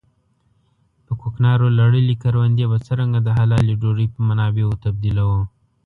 په کوکنارو لړلې کروندې به څرنګه د حلالې ډوډۍ په منابعو تبديلوو.